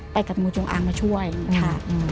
ไปกัดมูจงอังมาช่วยอืมค่ะอืม